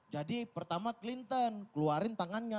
jadi pertama clinton keluarin tangannya